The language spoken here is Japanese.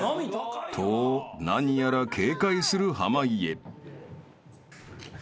［と何やら警戒する濱家］